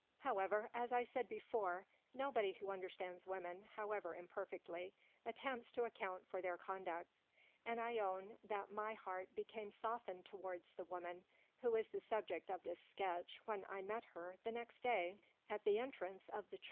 However, as I said before, nobody who understands women, however imperfectly, at tempts to account for their conduct, and I own that my heart became softened towards the woman who is the subject of this sketch when I met her, the next day, at the entrance of the MADAME DE CHANTELOUP.